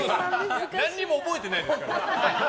何も覚えてないですから。